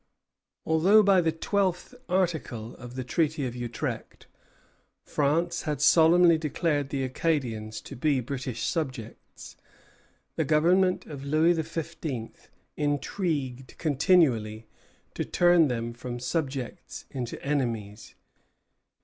Although, by the twelfth article of the treaty of Utrecht, France had solemnly declared the Acadians to be British subjects, the Government of Louis XV. intrigued continually to turn them from subjects into enemies.